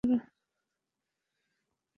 মালেককে মধুসূদন পাকা কথা দিয়েছিল।